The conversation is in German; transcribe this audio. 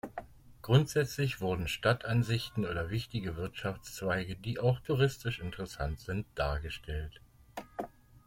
Grundsätzlich wurden Stadtansichten oder wichtige Wirtschaftszweige, die auch touristisch interessant sind, dargestellt.